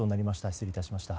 失礼いたしました。